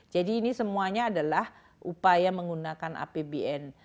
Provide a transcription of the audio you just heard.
jadi ini semuanya adalah upaya menggunakan apbn